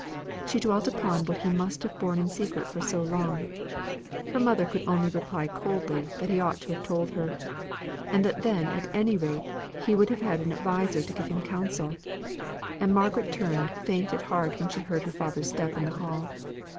She dwelt upon what he must have borne in secret for long; her mother only replied coldly that he ought to have told her, and that then at any rate he would have had an adviser to give him counsel; and Margaret turned faint at heart when she heard her father's step in the hall.